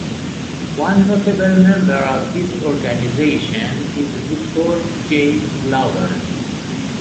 One notable member of this organization is Victor J. Glover.